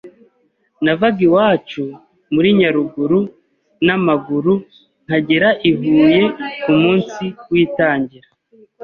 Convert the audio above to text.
navaga iwacu muri Nyaruguru n’amaguru nkagera i Huye ku munsi w’itangira